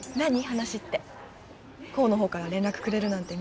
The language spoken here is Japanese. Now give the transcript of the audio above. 話って功の方から連絡くれるなんて